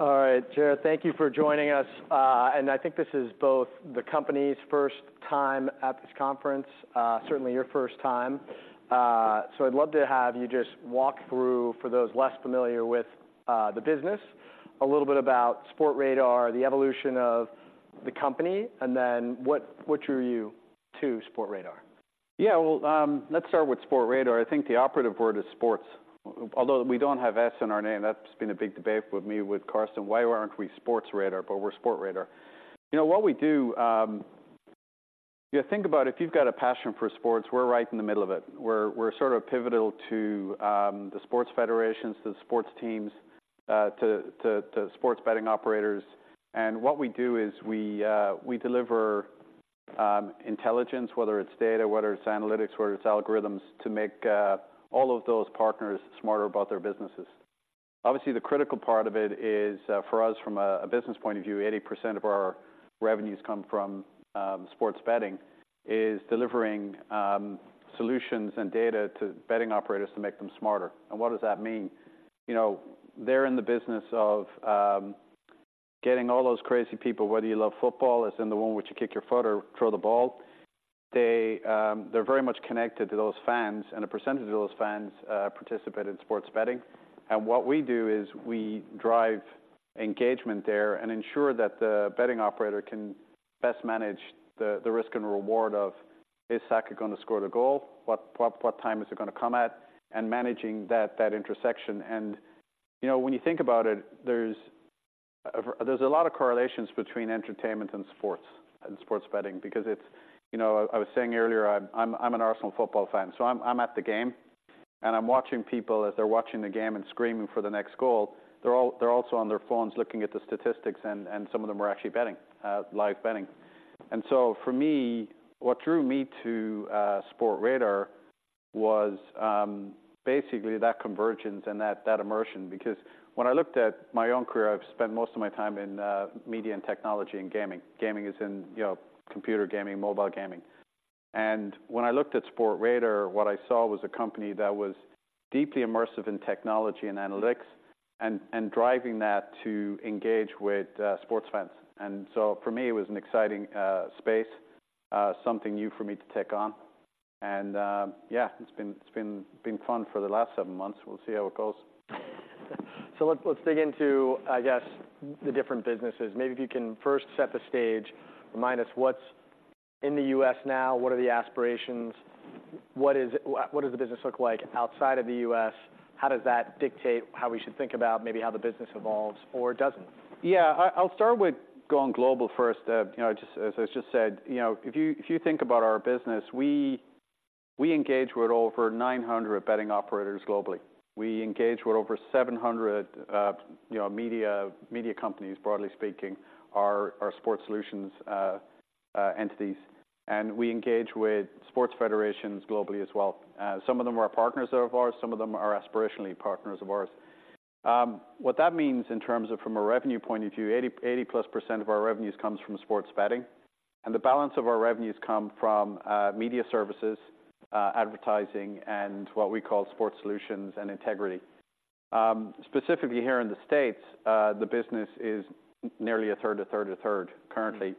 All right, Gerard, thank you for joining us. I think this is both the company's first time at this conference, certainly your first time. I'd love to have you just walk through, for those less familiar with the business, a little bit about Sportradar, the evolution of the company, and then what, what drew you to Sportradar? Yeah, well, let's start with Sportradar. I think the operative word is sports, although we don't have S in our name, that's been a big debate with me, with Carsten, "Why aren't we Sports Radar?" But we're Sportradar. You know, what we do, you think about it, if you've got a passion for sports, we're right in the middle of it. We're sort of pivotal to the sports federations, the sports teams, to sports betting operators. And what we do is we deliver intelligence, whether it's data, whether it's analytics, whether it's algorithms, to make all of those partners smarter about their businesses. Obviously, the critical part of it is, for us from a business point of view, 80% of our revenues come from sports betting, is delivering solutions and data to betting operators to make them smarter. And what does that mean? You know, they're in the business of getting all those crazy people, whether you love football, as in the one which you kick your foot or throw the ball, they, they're very much connected to those fans, and a percentage of those fans participate in sports betting. And what we do is we drive engagement there and ensure that the betting operator can best manage the risk and reward of, is Saka going to score the goal? What time is it going to come at? And managing that intersection. And, you know, when you think about it, there's a lot of correlations between entertainment and sports, and sports betting, because it's... You know, I was saying earlier, I'm an Arsenal football fan, so I'm at the game, and I'm watching people as they're watching the game and screaming for the next goal. They're also on their phones, looking at the statistics, and some of them are actually betting, live-betting. And so for me, what drew me to Sportradar was basically that convergence and that immersion, because when I looked at my own career, I've spent most of my time in media and technology and gaming. Gaming as in, you know, computer gaming, mobile gaming. When I looked at Sportradar, what I saw was a company that was deeply immersive in technology and analytics, and driving that to engage with sports fans. So for me, it was an exciting space, something new for me to take on. Yeah, it's been fun for the last seven months. We'll see how it goes. So let's, let's dig into, I guess, the different businesses. Maybe if you can first set the stage, remind us what's in the U.S. now, what are the aspirations? What is, what does the business look like outside of the U.S.? How does that dictate how we should think about maybe how the business evolves or doesn't? Yeah. I'll start with going global first. You know, just as I just said, you know, if you think about our business, we engage with over 900 betting operators globally. We engage with over 700, you know, media companies, broadly speaking, our sports solutions entities, and we engage with sports federations globally as well. Some of them are partners of ours, some of them are aspirational partners of ours. What that means in terms of from a revenue point of view, 80%+ of our revenues comes from sports betting, and the balance of our revenues come from media services, advertising, and what we call sports solutions and integrity. Specifically here in the States, the business is nearly 1/3, 1/3, 1/3, currently.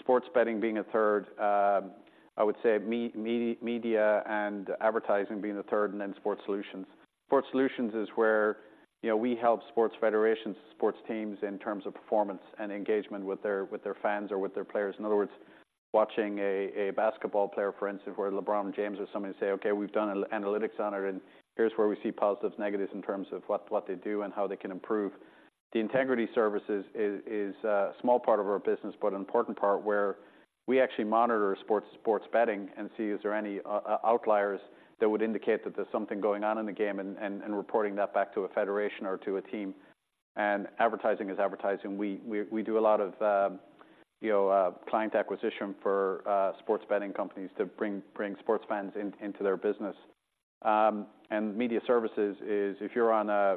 Sports betting being 1/3, I would say media and advertising being 1/3, and then sports solutions. Sports solutions is where, you know, we help sports federations, sports teams, in terms of performance and engagement with their fans or with their players. In other words, watching a basketball player, for instance, where LeBron James or somebody say, "Okay, we've done analytics on it, and here's where we see positives, negatives in terms of what they do and how they can improve." The integrity services is a small part of our business, but an important part where we actually monitor sports betting and see is there any outliers that would indicate that there's something going on in the game, and reporting that back to a federation or to a team. And advertising is advertising. We do a lot of, you know, client acquisition for sports betting companies to bring sports fans into their business. Media services is if you're on a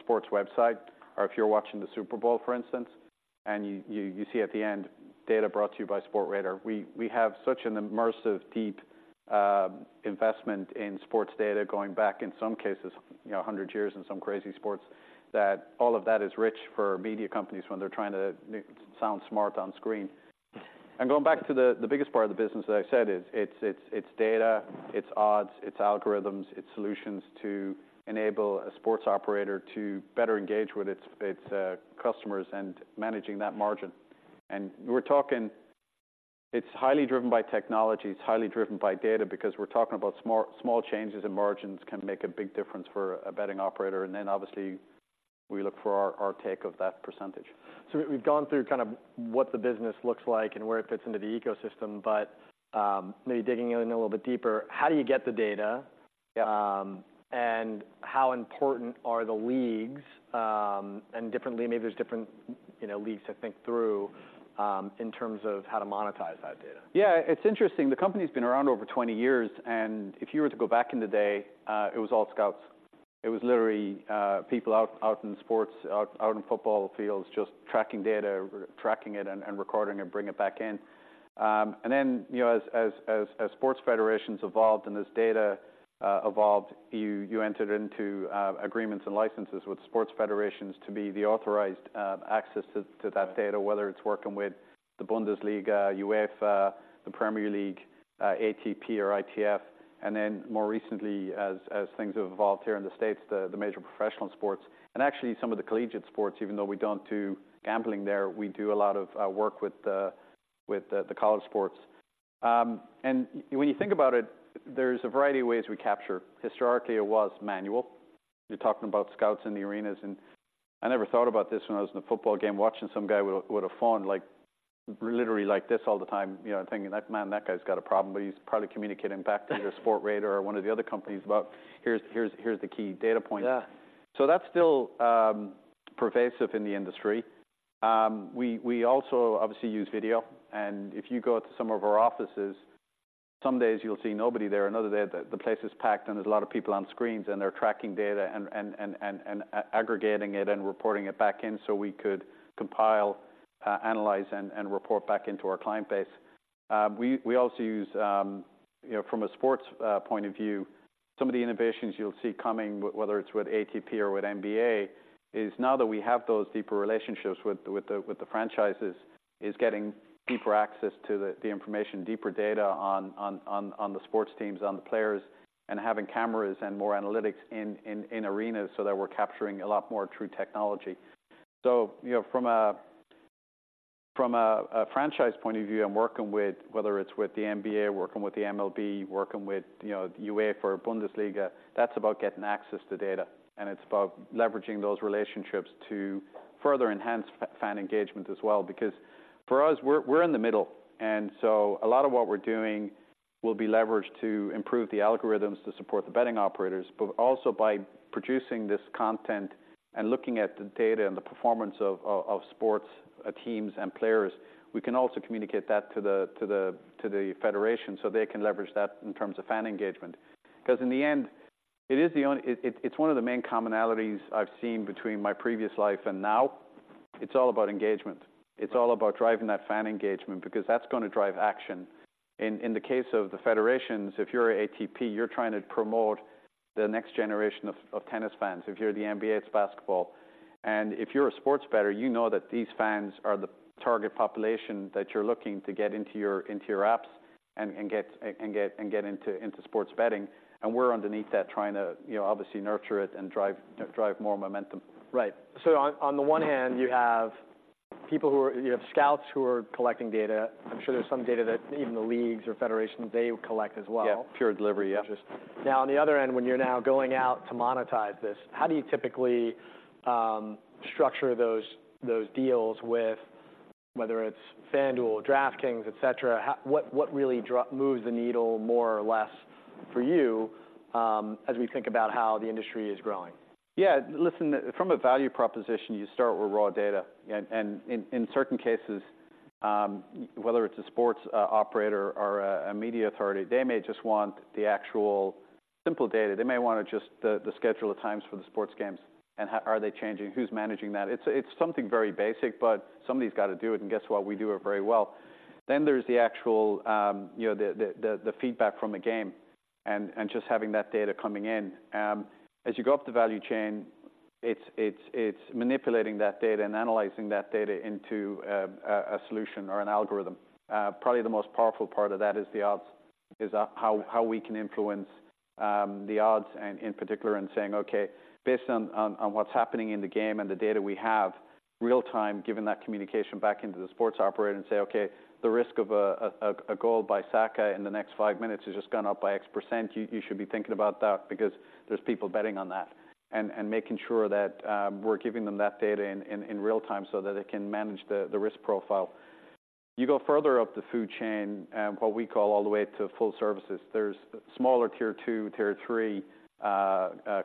sports website or if you're watching the Super Bowl, for instance, and you see at the end, "Data brought to you by Sportradar." We have such an immersive, deep investment in sports data, going back, in some cases, you know, 100 years in some crazy sports, that all of that is rich for media companies when they're trying to sound smart on screen. Going back to the biggest part of the business, as I said, is it's data, it's odds, it's algorithms, it's solutions to enable a sports operator to better engage with its customers and managing that margin. And we're talking... It's highly driven by technology, it's highly driven by data, because we're talking about small, small changes in margins can make a big difference for a betting operator, and then obviously, we look for our, our take of that percentage. So we've gone through kind of what the business looks like and where it fits into the ecosystem, but maybe digging in a little bit deeper, how do you get the data? Yeah. How important are the leagues? And differently, maybe there's different, you know, leagues to think through, in terms of how to monetize that data. Yeah, it's interesting. The company's been around over 20 years, and if you were to go back in the day, it was all scouts. It was literally people out in sports, out in football fields, just tracking data, tracking it and recording it, bring it back in. And then, you know, as sports federations evolved and as data evolved, you entered into agreements and licenses with sports federations to be the authorized access to that data, whether it's working with the Bundesliga, UEFA, the Premier League, ATP, or ITF. And then more recently, as things have evolved here in the States, the major professional sports and actually some of the collegiate sports, even though we don't do gambling there, we do a lot of work with the college sports. When you think about it, there's a variety of ways we capture. Historically, it was manual. You're talking about scouts in the arenas, and I never thought about this when I was in a football game, watching some guy with a phone, like, literally like this all the time, you know, and thinking, "That man, that guy's got a problem, but he's probably communicating back to their Sportradar or one of the other companies about here's the key data point. Yeah. So that's still pervasive in the industry. We also obviously use video, and if you go to some of our offices, some days you'll see nobody there, another day, the place is packed, and there's a lot of people on screens, and they're tracking data and aggregating it and reporting it back in so we could compile, analyze, and report back into our client base. We also use, you know, from a sports point of view, some of the innovations you'll see coming, whether it's with ATP or with NBA, is now that we have those deeper relationships with the franchises, is getting deeper access to the information, deeper data on the sports teams, on the players, and having cameras and more analytics in arenas so that we're capturing a lot more true technology. So, you know, from a franchise point of view and working with, whether it's with the NBA, working with the MLB, working with UEFA or Bundesliga, that's about getting access to data, and it's about leveraging those relationships to further enhance fan engagement as well. Because for us, we're in the middle, and so a lot of what we're doing will be leveraged to improve the algorithms to support the betting operators, but also by producing this content and looking at the data and the performance of sports teams and players, we can also communicate that to the federation, so they can leverage that in terms of fan engagement. 'Cause in the end, it is the one, it's one of the main commonalities I've seen between my previous life and now. It's all about engagement. It's all about driving that fan engagement, because that's going to drive action. In the case of the federations, if you're ATP, you're trying to promote the next generation of tennis fans. If you're the NBA, it's basketball. If you're a sports bettor, you know that these fans are the target population that you're looking to get into your apps and get into sports betting, and we're underneath that, trying to, you know, obviously nurture it and drive more momentum. Right. So on the one hand, you have scouts who are collecting data. I'm sure there's some data that even the leagues or federations, they collect as well. Yeah, pure delivery. Yeah. Just... Now, on the other end, when you're now going out to monetize this, how do you typically structure those deals with whether it's FanDuel, DraftKings, et cetera? What really moves the needle more or less for you as we think about how the industry is growing? Yeah. Listen, from a value proposition, you start with raw data, and in certain cases, whether it's a sports operator or a media authority, they may just want the actual simple data. They may want just the schedule of times for the sports games, and how are they changing, who's managing that? It's something very basic, but somebody's got to do it, and guess what? We do it very well. Then there's the actual, you know, the feedback from the game and just having that data coming in. As you go up the value chain, it's manipulating that data and analyzing that data into a solution or an algorithm. Probably the most powerful part of that is the odds, is how we can influence the odds and in particular, saying, "Okay, based on what's happening in the game and the data we have, real-time, giving that communication back into the sports operator and say, 'Okay, the risk of a goal by Saka in the next five minutes has just gone up by X%.' You should be thinking about that because there's people betting on that. And making sure that we're giving them that data in real-time so that they can manage the risk profile. You go further up the food chain, what we call all the way to full services, there's smaller Tier II, Tier III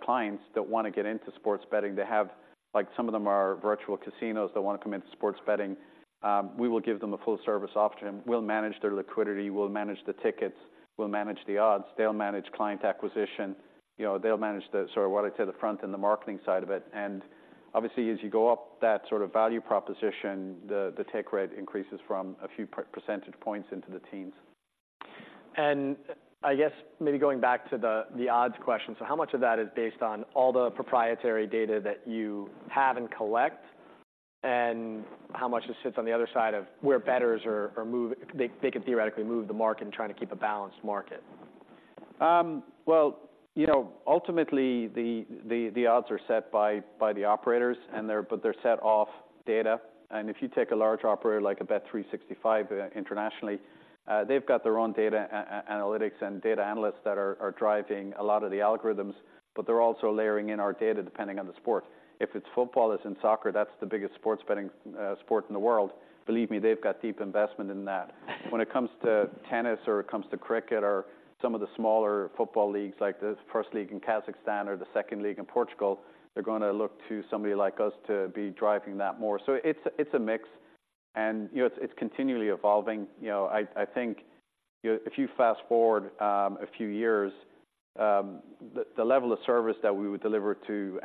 clients that want to get into sports betting. They have... Like, some of them are virtual casinos that want to come into sports betting. We will give them a full-service option. We'll manage their liquidity, we'll manage the tickets, we'll manage the odds. They'll manage client acquisition. You know, they'll manage the, sort of what I'd say, the front and the marketing side of it. And obviously, as you go up that sort of value proposition, the take rate increases from a few percentage points into the teens. I guess maybe going back to the odds question. So how much of that is based on all the proprietary data that you have and collect, and how much just sits on the other side of where bettors are moving, they could theoretically move the market and trying to keep a balanced market? Well, you know, ultimately, the odds are set by the operators, and they're - but they're set off data, and if you take a large operator, like a Bet365 internationally, they've got their own data analytics and data analysts that are driving a lot of the algorithms, but they're also layering in our data, depending on the sport. If it's football, as in soccer, that's the biggest sports-betting sport in the world. Believe me, they've got deep investment in that. When it comes to tennis or it comes to cricket or some of the smaller football leagues, like the First League in Kazakhstan or the Second League in Portugal, they're going to look to somebody like us to be driving that more. So it's a mix... and, you know, it's continually evolving. You know, I think, you know, if you fast-forward a few years, the level of service that we would deliver to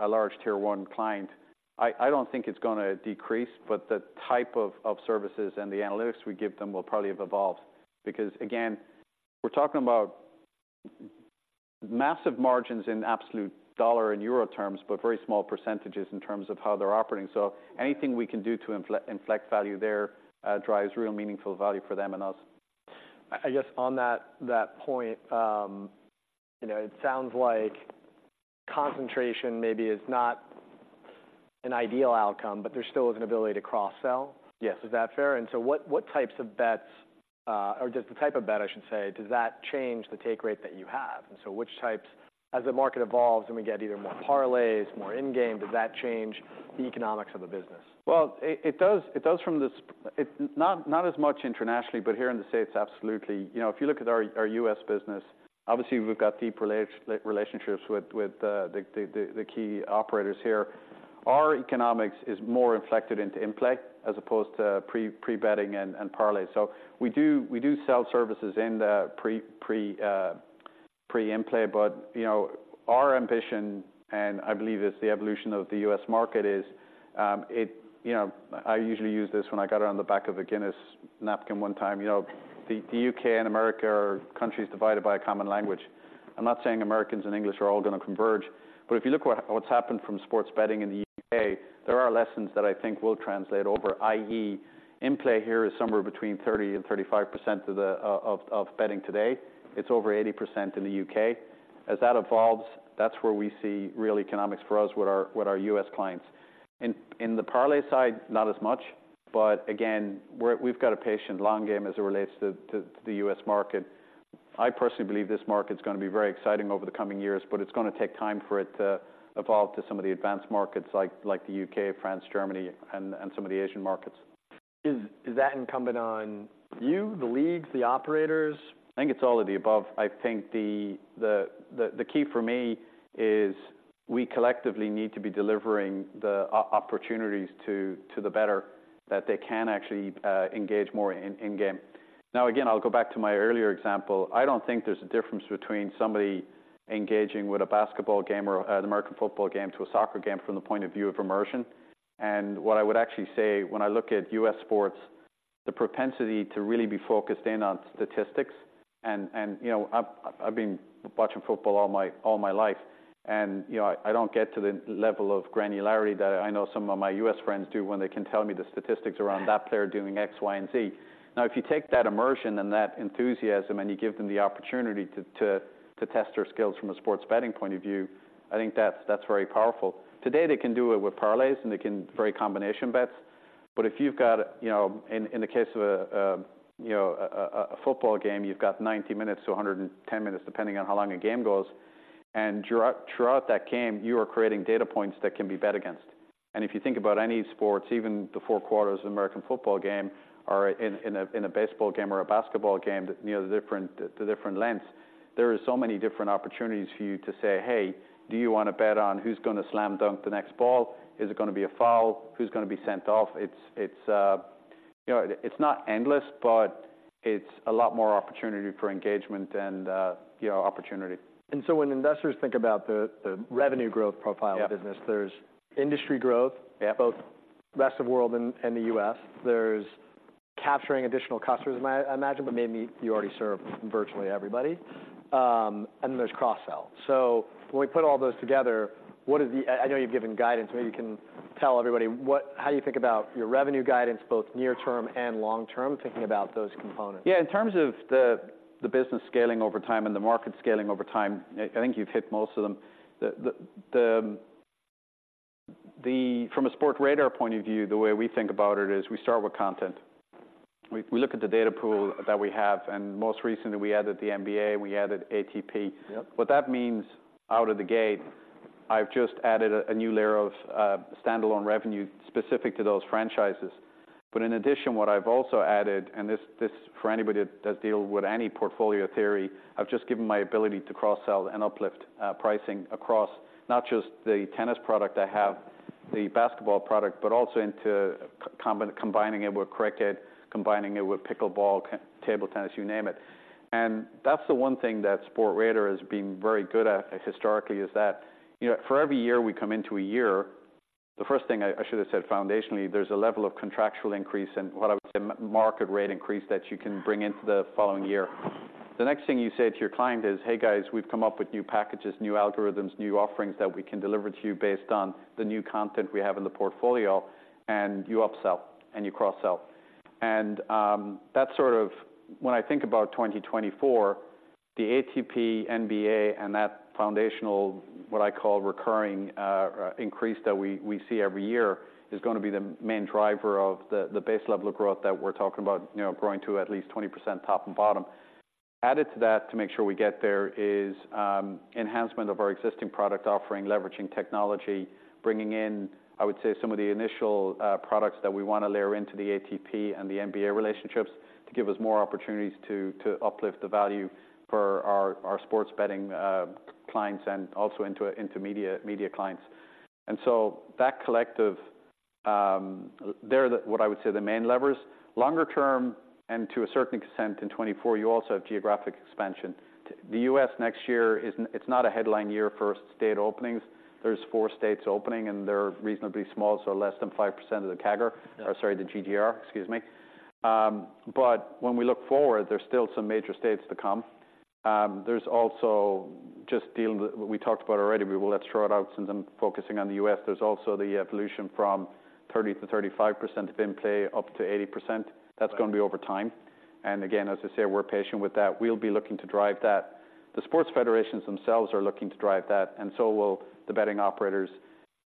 a large Tier I client, I don't think it's going to decrease, but the type of services and the analytics we give them will probably have evolved. Because again, we're talking about massive margins in absolute dollar and euro terms, but very small percentages in terms of how they're operating. So anything we can do to inflect value there drives real meaningful value for them and us. I guess on that point, you know, it sounds like concentration maybe is not an ideal outcome, but there still is an ability to cross-sell? Yes. Is that fair? And so what, what types of bets, or just the type of bet, I should say, does that change the take rate that you have? And so which types, as the market evolves and we get either more parlays, more in-game, does that change the economics of the business? Well, it does. It does from this, not as much internationally, but here in the States, absolutely. You know, if you look at our U.S. business, obviously, we've got deep relationships with the key operators here. Our economics is more inflected into in-play, as opposed to pre-betting and parlay. So we do sell services in the pre-in-play, but you know, our ambition, and I believe it's the evolution of the U.S. market, is it. You know, I usually use this when I got it on the back of a Guinness napkin one time. You know, the U.K. and America are countries divided by a common language. I'm not saying Americans and English are all going to converge, but if you look at what's happened from sports betting in the U.K., there are lessons that I think will translate over, i.e., in-play here is somewhere between 30% and 35% of the betting today. It's over 80% in the U.K. As that evolves, that's where we see real economics for us with our U.S. clients. In the parlay side, not as much, but again, we've got a patient long game as it relates to the U.S. market. I personally believe this market's going to be very exciting over the coming years, but it's going to take time for it to evolve to some of the advanced markets like the U.K., France, Germany, and some of the Asian markets. Is that incumbent on you, the leagues, the operators? I think it's all of the above. I think the key for me is, we collectively need to be delivering the opportunities to the bettor, that they can actually engage more in in-game. Now, again, I'll go back to my earlier example. I don't think there's a difference between somebody engaging with a basketball game or an American football game to a soccer game from the point of view of immersion. And what I would actually say when I look at U.S. sports, the propensity to really be focused in on statistics, and you know, I've been watching football all my life, and you know I don't get to the level of granularity that I know some of my U.S. friends do when they can tell me the statistics around that player doing X, Y, and Z. Now, if you take that immersion and that enthusiasm, and you give them the opportunity to test their skills from a sports betting point of view, I think that's very powerful. Today, they can do it with parlays, and they can vary combination bets, but if you've got, you know, in the case of a football game, you've got 90 minutes to 110 minutes, depending on how long a game goes, and throughout that game, you are creating data points that can be bet against. If you think about any sports, even the four quarters of an American football game, or in a baseball game or a basketball game, you know, the different lengths, there are so many different opportunities for you to say, "Hey, do you want to bet on who's going to slam dunk the next ball? Is it going to be a foul? Who's going to be sent off?" It's you know, it's not endless, but it's a lot more opportunity for engagement and, you know, opportunity. And so when investors think about the revenue growth profile- Yeah... of business, there's industry growth- Yeah both rest of world and the U.S. There's capturing additional customers, I imagine, but maybe you already serve virtually everybody. And then there's cross-sell. So when we put all those together, what is the... I know you've given guidance. Maybe you can tell everybody what, how you think about your revenue guidance, both near term and long-term, thinking about those components. Yeah, in terms of the business scaling over time and the market scaling over time, I think you've hit most of them. The, from a Sportradar point of view, the way we think about it is we start with content. We look at the data pool that we have, and most recently, we added the NBA, and we added ATP. Yep. What that means out of the gate, I've just added a new layer of standalone revenue specific to those franchises. But in addition, what I've also added, and this, this, for anybody that deals with any portfolio theory, I've just given my ability to cross-sell and uplift pricing across not just the tennis product I have, the basketball product, but also into combining it with cricket, combining it with pickleball, table tennis, you name it. And that's the one thing that Sportradar has been very good at historically, is that, you know, for every year we come into a year, the first thing I should have said foundationally, there's a level of contractual increase and what I would say, market rate increase that you can bring into the following year. The next thing you say to your client is, "Hey, guys, we've come up with new packages, new algorithms, new offerings that we can deliver to you based on the new content we have in the portfolio," and you upsell, and you cross-sell. That's sort of when I think about 2024, the ATP, NBA, and that foundational, what I call recurring, increase that we, we see every year, is going to be the main driver of the, the base level of growth that we're talking about, you know, growing to at least 20% top and bottom. Added to that, to make sure we get there, is enhancement of our existing product offering, leveraging technology, bringing in, I would say, some of the initial products that we want to layer into the ATP and the NBA relationships, to give us more opportunities to uplift the value for our sports betting clients and also into media clients. So that collective, they're the what I would say the main levers. Longer term, and to a certain extent in 2024, you also have geographic expansion. The U.S. next year is. It's not a headline year for state openings. There's four states opening, and they're reasonably small, so less than 5% of the CAGR, or sorry, the GGR, excuse me. But when we look forward, there's still some major states to come. There's also just dealing with what we talked about already, but well, let's throw it out since I'm focusing on the U.S. There's also the evolution from 30%-35% of in-play up to 80%. That's going to be over time. Again, as I say, we're patient with that. We'll be looking to drive that. The sports federations themselves are looking to drive that, and so will the betting operators.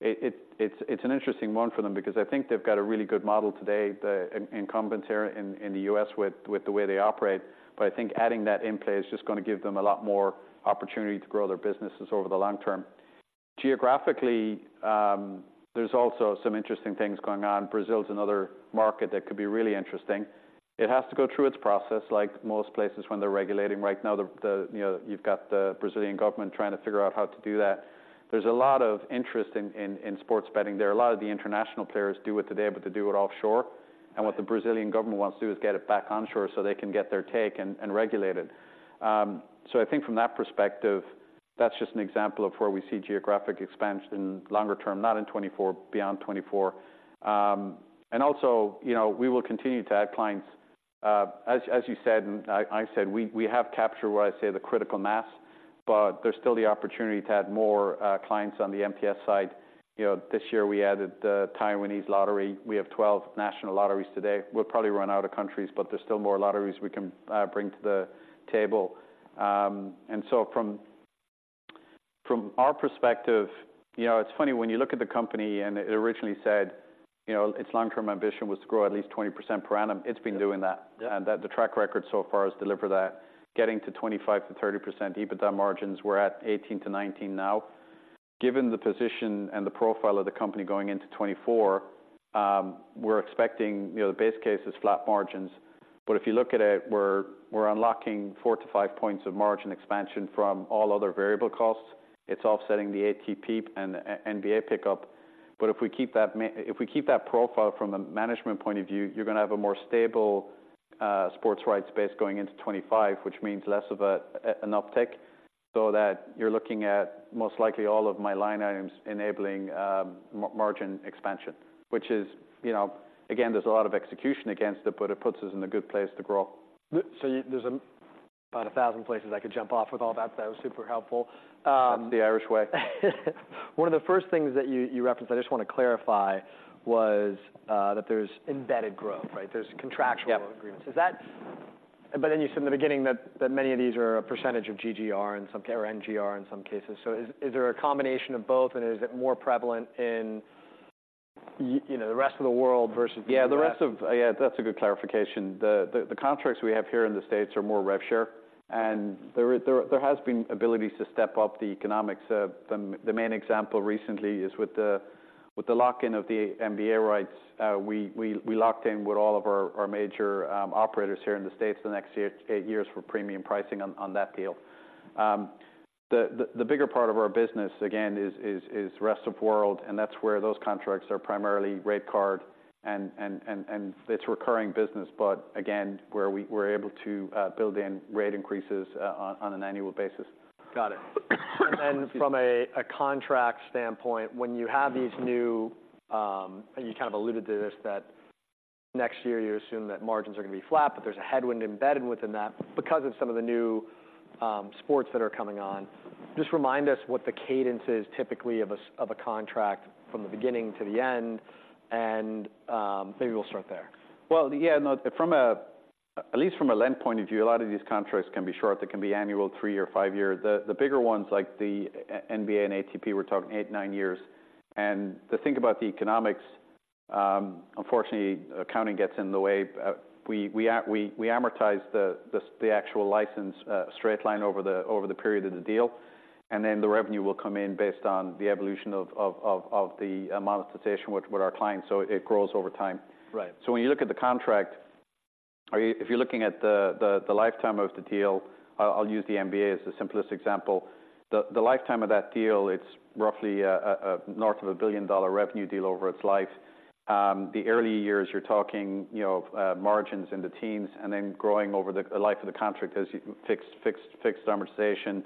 It's an interesting one for them because I think they've got a really good model today, the incumbents here in the U.S. with the way they operate. But I think adding that in-play is just going to give them a lot more opportunity to grow their businesses over the long-term. Geographically, there's also some interesting things going on. Brazil is another market that could be really interesting. It has to go through its process, like most places, when they're regulating right now. You know, you've got the Brazilian government trying to figure out how to do that. There's a lot of interest in sports betting there. A lot of the international players do it today, but they do it offshore. And what the Brazilian government wants to do is get it back onshore so they can get their take and regulate it. So I think from that perspective, that's just an example of where we see geographic expansion longer term, not in 2024, beyond 2024. And also, you know, we will continue to add clients. As you said, and I said, we have captured what I say, the critical mass, but there's still the opportunity to add more clients on the MTS side. You know, this year we added the Taiwanese lottery. We have 12 national lotteries today. We'll probably run out of countries, but there's still more lotteries we can bring to the table. And so from our perspective, you know, it's funny, when you look at the company and it originally said, you know, its long-term ambition was to grow at least 20% per annum. It's been doing that. Yeah. The track record so far has delivered that, getting to 25%-30% EBITDA margins. We're at 18%-19% now. Given the position and the profile of the company going into 2024, we're expecting, you know, the base case is flat margins. But if you look at it, we're unlocking 4-5 points of margin expansion from all other variable costs. It's offsetting the ATP and NBA pickup. But if we keep that profile from a management point of view, you're going to have a more stable sports rights base going into 2025, which means less of an uptick, so that you're looking at most likely all of my line items enabling margin expansion. Which is, you know, again, there's a lot of execution against it, but it puts us in a good place to grow. So there's about a thousand places I could jump off with all that. That was super helpful. That's the Irish way. One of the first things that you referenced, I just want to clarify, was that there's embedded growth, right? There's contractual- Yep... agreements. Is that? But then you said in the beginning that many of these are a percentage of GGR in some cases or NGR in some cases. So is there a combination of both, and is it more prevalent in, you know, the rest of the world versus the U.S.? Yeah, that's a good clarification. The contracts we have here in the States are more rev share, and there has been abilities to step up the economics. The main example recently is with the lock-in of the NBA rights. We locked in with all of our major operators here in the States the next eight years for premium pricing on that deal. The bigger part of our business, again, is rest-of-world, and that's where those contracts are primarily rate-card and it's recurring business. But again, where we're able to build in rate increases on an annual basis. Got it. And then from a contract standpoint, when you have these new... And you kind of alluded to this, that next year you assume that margins are going to be flat, but there's a headwind embedded within that because of some of the new sports that are coming on. Just remind us what the cadence is typically of a contract from the beginning to the end, and maybe we'll start there. Well, yeah, no, from a—at least from a lender's point of view, a lot of these contracts can be short. They can be annual, three or five years. The bigger ones, like the NBA and ATP, we're talking eight, nine years. And the thing about the economics, unfortunately, accounting gets in the way. We amortize the actual license straight line over the period of the deal, and then the revenue will come in based on the evolution of the monetization with our clients. So it grows over time. Right. So when you look at the contract, or if you're looking at the lifetime of the deal, I'll use the NBA as the simplest example. The lifetime of that deal, it's roughly north of a $1 billion revenue deal over its life. The early years, you're talking, you know, margins in the teens, and then growing over the life of the contract as fixed amortization,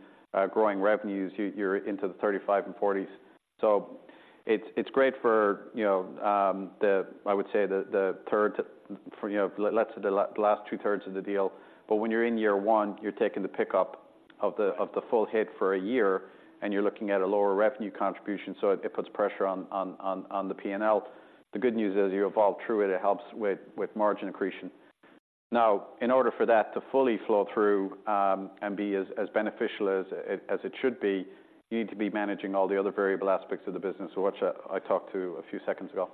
growing revenues, you're into the 35 and 40s. So it's great for, you know, 1`/3 to, let's say, the last 2/3 of the deal. But when you're in year one, you're taking the pickup of the full hit for a year, and you're looking at a lower revenue contribution, so it puts pressure on the P&L. The good news is you evolve through it. It helps with margin accretion. Now, in order for that to fully flow-through, and be as beneficial as it should be, you need to be managing all the other variable aspects of the business, so which I talked to a few seconds ago.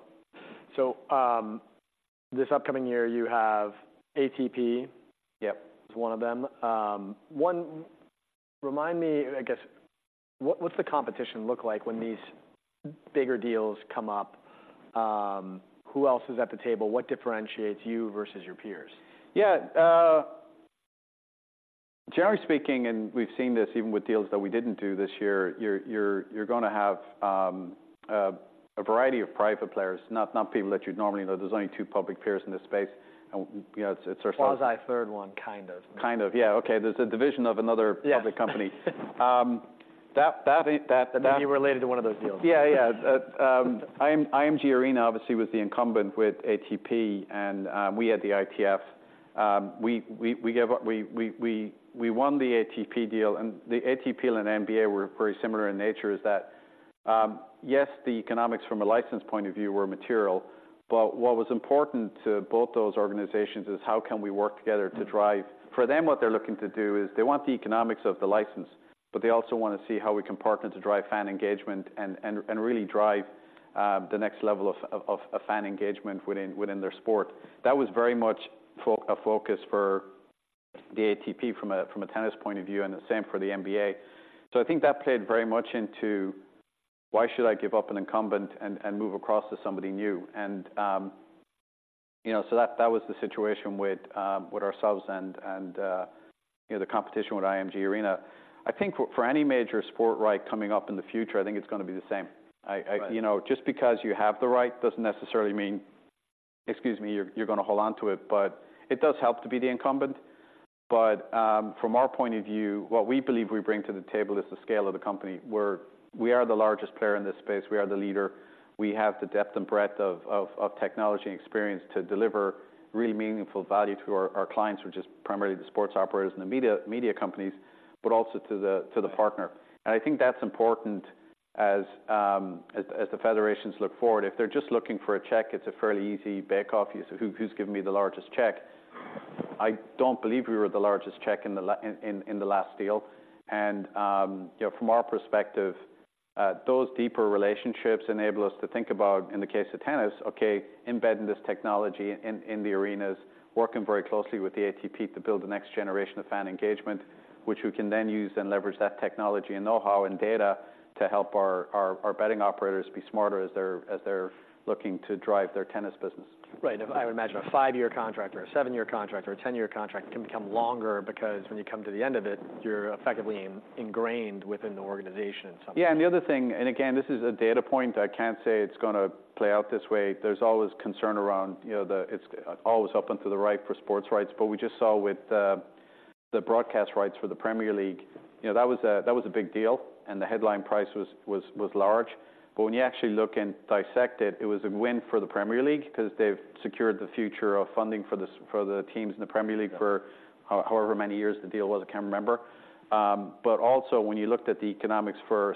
This upcoming year, you have ATP. Yep. It's one of them. Remind me, I guess, what's the competition look like when these bigger deals come up? Who else is at the table? What differentiates you versus your peers? Yeah, generally speaking, and we've seen this even with deals that we didn't do this year, you're going to have a variety of private players, not people that you'd normally know. There's only two public peers in this space, and you know, it's. Quasi third one, kind of. Kind of, yeah. Okay, there's a division of another- Yeah public company. That, You were related to one of those deals. Yeah, yeah. IMG ARENA obviously was the incumbent with ATP, and we had the ITF. We won the ATP deal, and the ATP and NBA were very similar in nature, is that yes, the economics from a license point of view were material, but what was important to both those organizations is how can we work together to drive? For them, what they're looking to do is they want the economics of the license, but they also want to see how we can partner to drive fan engagement and really drive the next level of fan engagement within their sport. That was very much for a focus for the ATP from a tennis point of view, and the same for the NBA. So I think that played very much into why should I give up an incumbent and move across to somebody new? And, you know, so that was the situation with ourselves and, you know, the competition with IMG ARENA. I think for any major sport right coming up in the future, I think it's going to be the same. I- Right. You know, just because you have the right doesn't necessarily mean, excuse me, you're going to hold on to it. But it does help to be the incumbent. But from our point of view, what we believe we bring to the table is the scale of the company, where we are the largest player in this space. We are the leader. We have the depth and breadth of technology and experience to deliver really meaningful value to our clients, which is primarily the sports operators and the media companies, but also to the partner. And I think that's important as the federations look forward. If they're just looking for a check, it's a fairly easy bake-off. It's who's given me the largest check? I don't believe we were the largest check in the last deal. You know, from our perspective, those deeper relationships enable us to think about, in the case of tennis, okay, embedding this technology in the arenas, working very closely with the ATP to build the next generation of fan engagement, which we can then use and leverage that technology and know-how and data to help our betting operators be smarter as they're looking to drive their tennis business. Right. I would imagine a five-year contract or a seven-year contract, or a 10-year contract can become longer because when you come to the end of it, you're effectively ingrained within the organization somehow. Yeah, and the other thing, and again, this is a data point. I can't say it's going to play out this way. There's always concern around, you know, the... It's always up and to the right for sports rights, but we just saw with the broadcast rights for the Premier League, you know, that was a, that was a big deal, and the headline price was, was, was large. But when you actually look and dissect it, it was a win for the Premier League because they've secured the future of funding for the, for the teams in the Premier League- Yeah -for however many years the deal was, I can't remember. But also when you looked at the economics for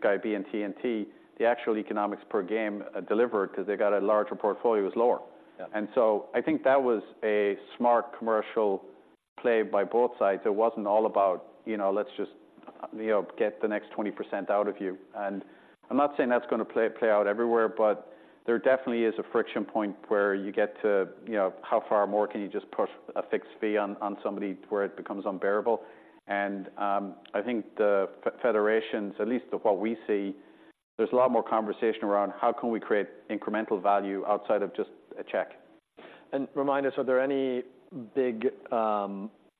Sky B and TNT, the actual economics per game delivered, 'cause they got a larger portfolio, is lower. Yeah. So I think that was a smart commercial play by both sides. It wasn't all about, you know, let's just, you know, get the next 20% out of you. I'm not saying that's going to play out everywhere, but there definitely is a friction point where you get to, you know, how far more can you just put a fixed fee on somebody to where it becomes unbearable? I think the federations, at least of what we see, there's a lot more conversation around how can we create incremental value outside of just a check. Remind us, are there any big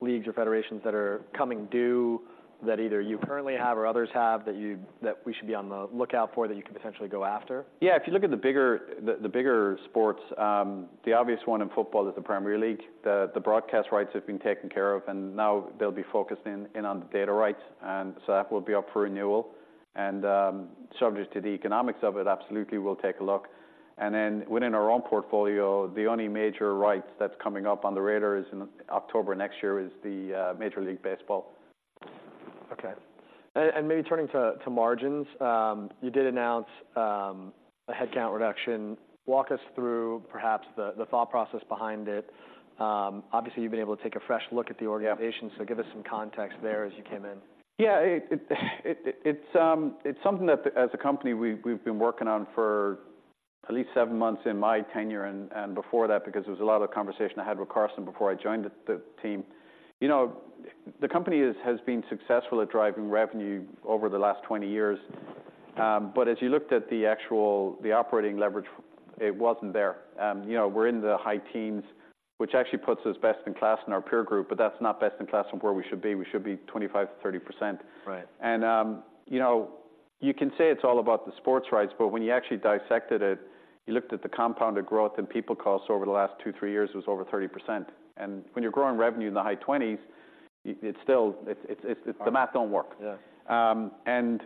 leagues or federations that are coming due that either you currently have or others have, that we should be on the lookout for, that you could potentially go after? Yeah. If you look at the bigger sports, the obvious one in football is the Premier League. The broadcast rights have been taken care of, and now they'll be focusing in on the data rights, and so that will be up for renewal. And, subject to the economics of it, absolutely, we'll take a look. And then within our own portfolio, the only major rights that's coming up on the radar is in October next year, is the Major League Baseball. Okay. And maybe turning to margins, you did announce a headcount reduction. Walk us through perhaps the thought process behind it. Obviously, you've been able to take a fresh look at the organization- Yeah So give us some context there as you came in. Yeah, it's something that as a company, we've been working on for at least seven months in my tenure, and before that, because there was a lot of conversation I had with Carsten before I joined the team. You know, the company has been successful at driving revenue over the last 20 years. But as you looked at the actual operating leverage, it wasn't there. You know, we're in the high teens, which actually puts us best in class in our peer group, but that's not best in class from where we should be. We should be 25%-30%. Right. You know, you can say it's all about the sports rights, but when you actually dissected it, you looked at the compounded growth in people cost over the last two to three years, was over 30%. When you're growing revenue in the high-20s, it's still the math don't work. Yeah. And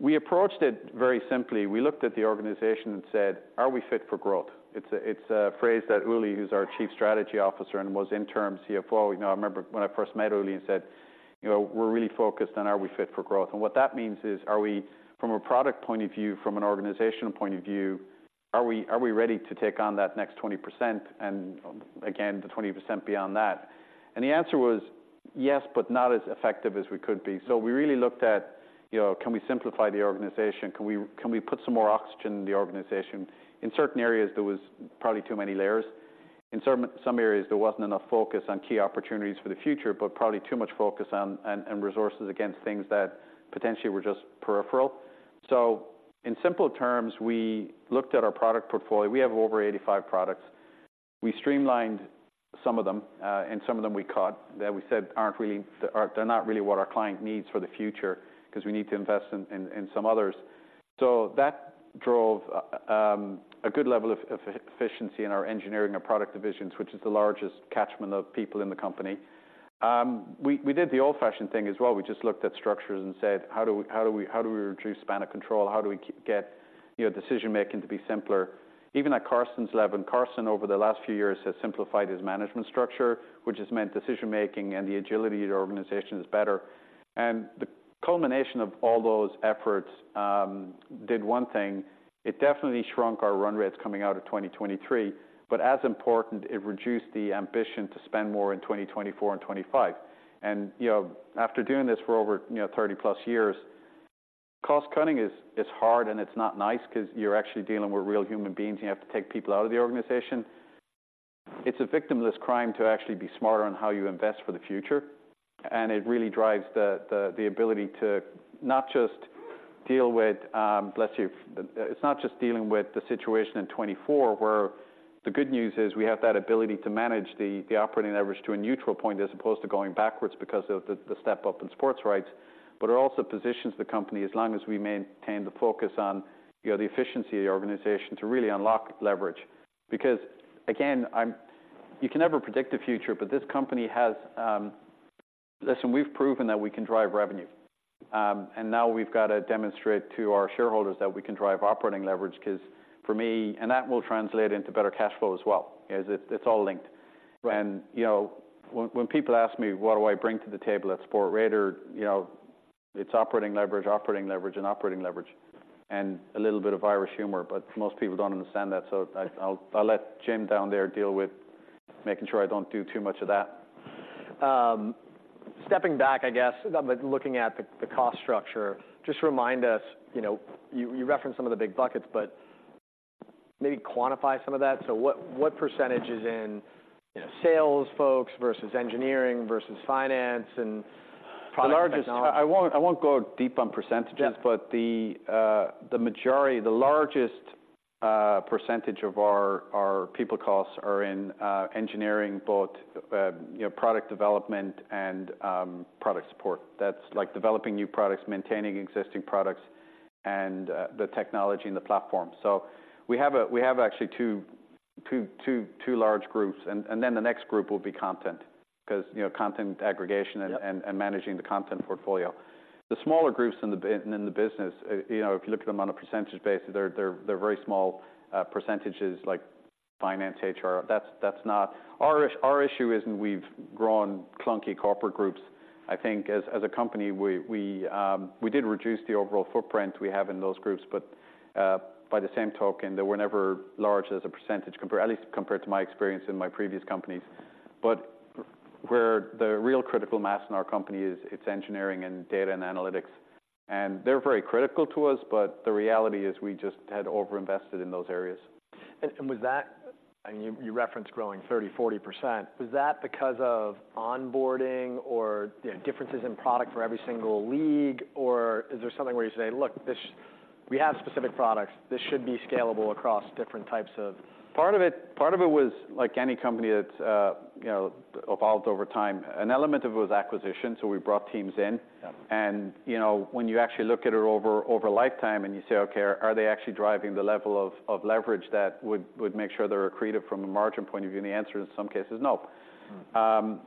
we approached it very simply. We looked at the organization and said: Are we fit for growth? It's a, it's a phrase that Ulrich, who's our Chief Strategy Officer and was interim CFO, you know, I remember when I first met Ulrich and said, "You know, we're really focused on, are we fit for growth?" And what that means is, are we, from a product point of view, from an organizational point of view, are we, are we ready to take on that next 20% and again, the 20% beyond that? And the answer was yes, but not as effective as we could be. So we really looked at, you know, can we simplify the organization? Can we, can we put some more oxygen in the organization? In certain areas, there was probably too many layers. In some areas, there wasn't enough focus on key opportunities for the future, but probably too much focus on and resources against things that potentially were just peripheral. So in simple terms, we looked at our product portfolio. We have over 85 products. We streamlined some of them, and some of them we cut, that we said aren't really, they're not really what our client needs for the future, 'cause we need to invest in some others. So that drove a good level of efficiency in our engineering and product divisions, which is the largest catchment of people in the company. We did the old-fashioned thing as well. We just looked at structures and said: How do we reduce span of control? How do we get, you know, decision-making to be simpler? Even at Carsten's lab, and Carsten, over the last few years, has simplified his management structure, which has meant decision-making and the agility of the organization is better. And the culmination of all those efforts did one thing. It definitely shrunk our run rates coming out of 2023, but as important, it reduced the ambition to spend more in 2024 and 2025. And, you know, after doing this for over, you know, 30+ years, cost-cutting is hard, and it's not nice 'cause you're actually dealing with real human beings, and you have to take people out of the organization. It's a victimless crime to actually be smarter on how you invest for the future, and it really drives the ability to not just deal with. It's not just dealing with the situation in 2024, where the good news is we have that ability to manage the operating leverage to a neutral point, as opposed to going backwards because of the step-up in sports rights. But it also positions the company, as long as we maintain the focus on, you know, the efficiency of the organization to really unlock leverage. Because, again, you can never predict the future, but this company has. Listen, we've proven that we can drive revenue. And now we've got to demonstrate to our shareholders that we can drive operating leverage, 'cause for me, and that will translate into better cash flow as well, as it's all linked. When, you know, when people ask me, what do I bring to the table at Sportradar? You know, it's operating leverage, operating leverage, and operating leverage, and a little bit of Irish humor, but most people don't understand that. So I, I'll, I'll let Jim down there deal with making sure I don't do too much of that. Stepping back, I guess, but looking at the cost structure, just remind us, you know, you referenced some of the big buckets, but maybe quantify some of that. So what percentage is in, you know, sales folks, versus engineering, versus finance, and product technology? The largest—I won't, I won't go deep on percentages- Yeah... but the, the majority, the largest, percentage of our, our people costs are in, engineering, both, you know, product development and, product support. That's like developing new products, maintaining existing products, and, the technology and the platform. So we have we have actually two large groups, and, then the next group will be content, 'cause, you know, content aggregation- Yep... and managing the content portfolio. The smaller groups in the business, you know, if you look at them on a percentage basis, they're very small percentages, like finance, HR. That's not... Our issue isn't we've grown clunky corporate groups. I think as a company, we did reduce the overall footprint we have in those groups. But by the same token, they were never large as a percentage at least compared to my experience in my previous companies. But where the real critical mass in our company is, it's engineering and data and analytics, and they're very critical to us, but the reality is, we just had overinvested in those areas. was that... I mean, you referenced growing 30%-40%. Was that because of onboarding or, you know, differences in product for every single league? Or is there something where you say, "Look, this, we have specific products. This should be scalable across different types of- Part of it, part of it was like any company that, you know, evolved over time. An element of it was acquisition, so we brought teams in. Yeah. You know, when you actually look at it over a lifetime, and you say, "Okay, are they actually driving the level of leverage that would make sure they're accretive from a margin point of view?" And the answer in some cases, no. Mm.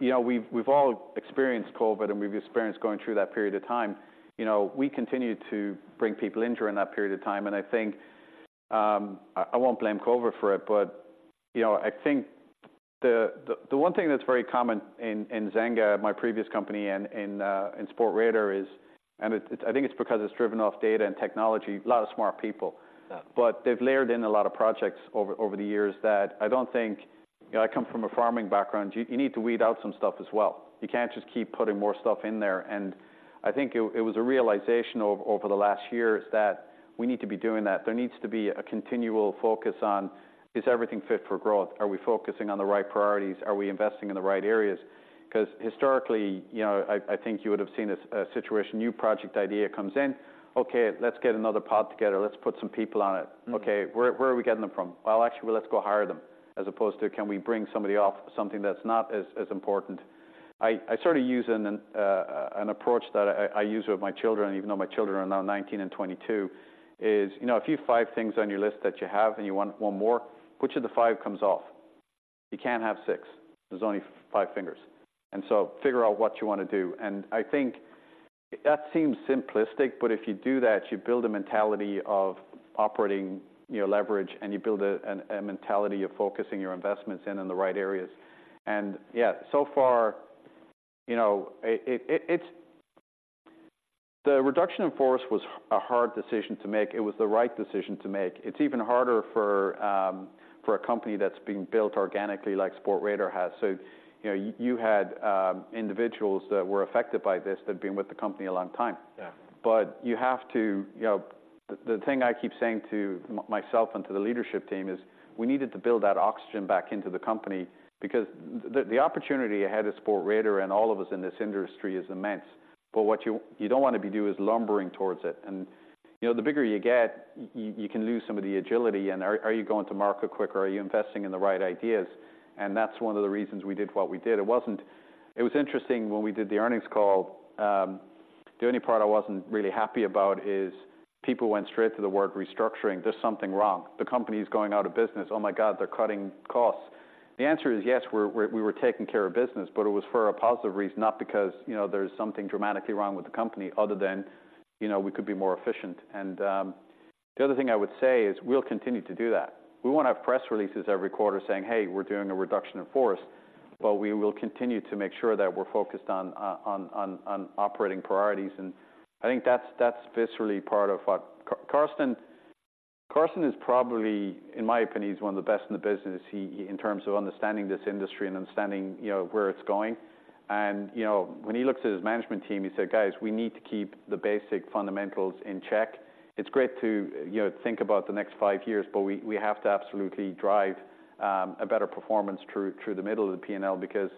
You know, we've all experienced COVID, and we've experienced going through that period of time. You know, we continued to bring people in during that period of time, and I think I won't blame COVID for it. But, you know, I think the one thing that's very common in Zynga, my previous company, and in Sportradar is... And it's, I think it's because it's driven off data and technology, a lot of smart people. Yeah. But they've layered in a lot of projects over the years that I don't think... You know, I come from a farming background. You need to weed out some stuff as well. You can't just keep putting more stuff in there, and I think it was a realization over the last year that we need to be doing that. There needs to be a continual focus on: Is everything fit for growth? Are we focusing on the right priorities? Are we investing in the right areas? 'Cause historically, you know, I think you would've seen a situation, new project idea comes in, "Okay, let's get another pod together. Let's put some people on it. Mm. Okay, where are we getting them from? Well, actually, let's go hire them," as opposed to, "Can we bring somebody off something that's not as important?" I sort of use an approach that I use with my children, even though my children are now 19 and 22, you know, if you've five things on your list that you have, and you want one more, which of the five comes off? You can't have six. There's only five fingers, and so figure out what you want to do. I think that seems simplistic, but if you do that, you build a mentality of operating, you know, leverage, and you build a mentality of focusing your investments in the right areas. Yeah, so far, you know, it, it's. The reduction in force was a hard decision to make. It was the right decision to make. It's even harder for a company that's being built organically, like Sportradar has. So, you know, you had individuals that were affected by this that had been with the company a long time. Yeah. But you have to, you know. The thing I keep saying to myself and to the leadership team is, we needed to build that oxygen back into the company because the opportunity ahead of Sportradar and all of us in this industry is immense. But what you don't want to be do is lumbering towards it. And, you know, the bigger you get, you can lose some of the agility. And are you going to market quick, or are you investing in the right ideas? And that's one of the reasons we did what we did. It wasn't. It was interesting when we did the earnings call, the only part I wasn't really happy about is people went straight to the word restructuring. There's something wrong. The company is going out of business. Oh, my God, they're cutting costs. The answer is yes, we're—we were taking care of business, but it was for a positive reason, not because, you know, there's something dramatically wrong with the company other than, you know, we could be more efficient. And the other thing I would say is, we'll continue to do that. We won't have press releases every quarter saying, "Hey, we're doing a reduction in force," but we will continue to make sure that we're focused on operating priorities. And I think that's viscerally part of what... Carsten is probably, in my opinion, he's one of the best in the business. He in terms of understanding this industry and understanding, you know, where it's going. And, you know, when he looks at his management team, he said, "Guys, we need to keep the basic fundamentals in check. It's great to, you know, think about the next five years, but we have to absolutely drive a better performance through the middle of the P&L. Because,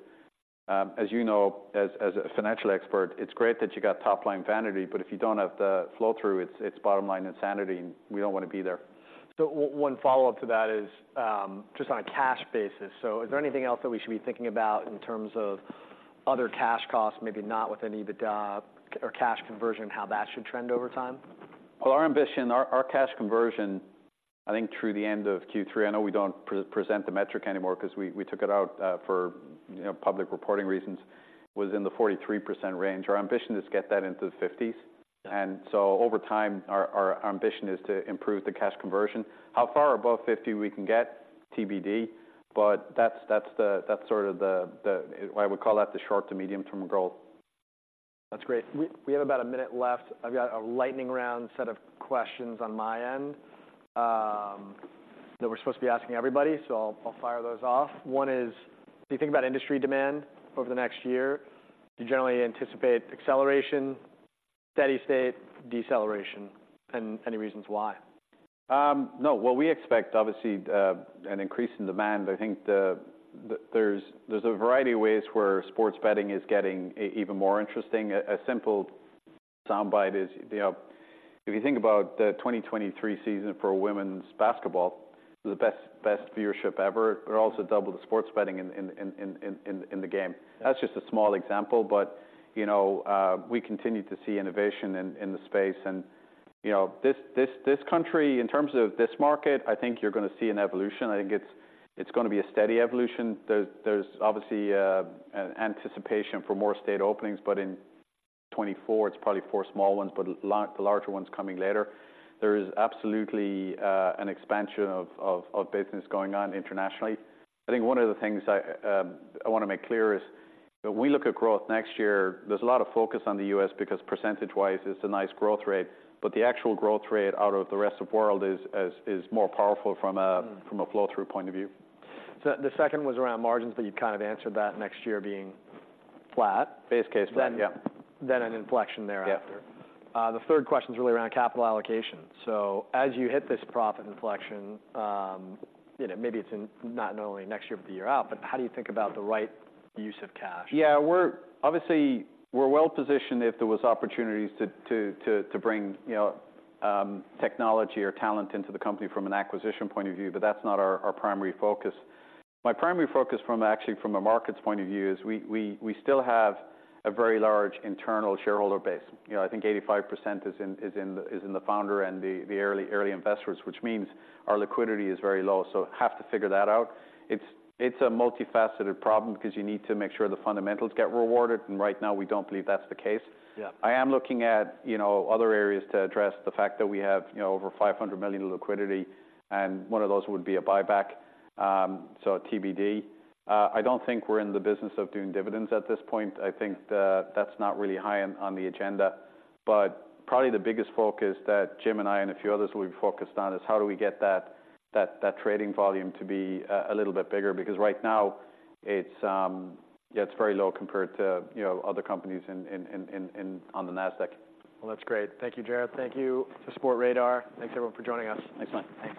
as you know, as a financial expert, it's great that you got top-line vanity, but if you don't have the flow-through, it's bottom-line insanity, and we don't want to be there. So one follow-up to that is just on a cash basis. So is there anything else that we should be thinking about in terms of other cash costs, maybe not with any of the, or cash conversion, how that should trend over time? Well, our ambition, our cash conversion, I think through the end of Q3, I know we don't pre-present the metric anymore 'cause we took it out for, you know, public reporting reasons, was in the 43% range. Our ambition is to get that into the 50s. And so over time, our ambition is to improve the cash conversion. How far above 50 we can get? TBD, but that's the... I would call that the short- to medium-term goal. That's great. We have about a minute left. I've got a lightning round set of questions on my end that we're supposed to be asking everybody, so I'll fire those off. One is, do you think about industry demand over the next year? Do you generally anticipate acceleration, steady state, deceleration, and any reasons why? No. Well, we expect obviously an increase in demand. I think there's a variety of ways where sports betting is getting even more interesting. A simple soundbite is, you know, if you think about the 2023 season for women's basketball, the best viewership ever, but also double the sports betting in the game. That's just a small example, but, you know, we continue to see innovation in the space. And, you know, this country, in terms of this market, I think you're going to see an evolution. I think it's going to be a steady evolution. There's obviously an anticipation for more state openings, but in 2024, it's probably four small ones, but the larger ones coming later. There is absolutely an expansion of business going on internationally. I think one of the things I want to make clear is, when we look at growth next year, there's a lot of focus on the U.S. because percentage-wise, it's a nice growth rate, but the actual growth rate out of the rest of world is more powerful from a- Mm... from a flow-through point of view. The second was around margins, but you kind of answered that, next year being flat. Base case, yeah. Then an inflection thereafter. Yeah. The third question is really around capital allocation. So as you hit this profit inflection, you know, maybe it's in not only next year, but the year out, but how do you think about the right use of cash? Yeah, we're obviously well positioned if there was opportunities to bring, you know, technology or talent into the company from an acquisition point of view, but that's not our primary focus. My primary focus from, actually from a markets point of view, is we still have a very large internal shareholder base. You know, I think 85% is in the founder and the early investors, which means our liquidity is very low, so have to figure that out. It's a multifaceted problem because you need to make sure the fundamentals get rewarded, and right now we don't believe that's the case. Yeah. I am looking at, you know, other areas to address the fact that we have, you know, over 500 million in liquidity, and one of those would be a buyback, so TBD. I don't think we're in the business of doing dividends at this point. I think that, that's not really high on, on the agenda. But probably the biggest focus that Jim and I and a few others will be focused on, is how do we get that, that, that trading volume to be, a little bit bigger? Because right now, it's, yeah, it's very low compared to, you know, other companies in, in, in, in, in, on the Nasdaq. Well, that's great. Thank you, Gerard. Thank you to Sportradar. Thanks, everyone, for joining us. Thanks a lot. Thanks.